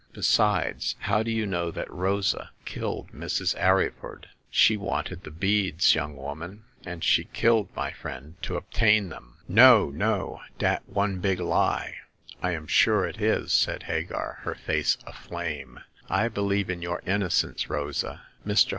Besides, how do you know that Rosa killed Mrs. Arryford ?"^* She wanted the beads, young woman, and she killed my friend to obtain them/' 74 Hagar of the Pawn Shop. No, no ! dat one big lie !"" I am sure it is !*' said Hagar, her face aflame, " I believe in your innocence, Rosa. Mr.